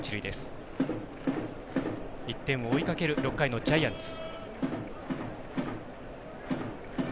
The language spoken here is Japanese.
１点を追いかける６回のジャイアンツ。